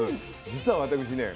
実は私ね